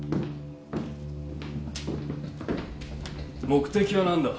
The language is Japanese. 目的は何だ？